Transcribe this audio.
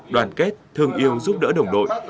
đoàn kết thường yêu giúp đỡ đồng đội